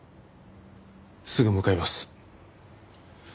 すぐ向かいます。